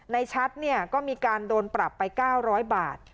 ในชัดเนี่ยก็มีการโดนปรับไป๙๐๐บาท